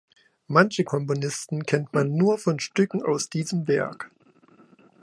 Manche Komponisten kennt man nur von Stücken aus diesem Werk.